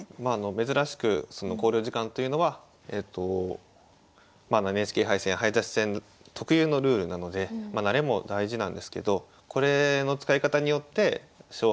珍しくその考慮時間というのはＮＨＫ杯戦早指し戦特有のルールなのでまあ慣れも大事なんですけどこれの使い方によって勝敗が変わることもあります。